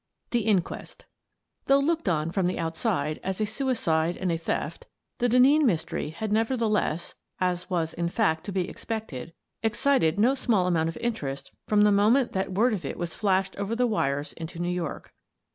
THE INQUEST Though looked on, from the outside, as a sui cide and a theft, the Denneen mystery had never theless, as was, in fact, to be expected, excited no small amount of interest from the moment that word of it was flashed over the wires into New York.